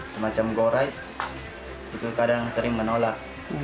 semacam go ride itu kadang sering menolak